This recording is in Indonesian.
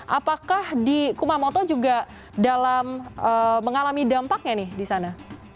apakah di kumamoto juga dalam mengalami dampaknya nih di sana